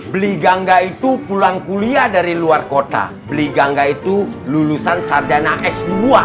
beli gangga itu pulang kuliah dari luar kota beli gangga itu lulusan sarjana s dua